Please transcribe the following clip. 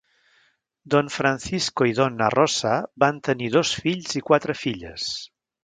Don Francisco i Donna Rosa van tenir dos fills i quatre filles.